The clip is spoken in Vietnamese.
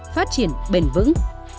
phát triển bền vững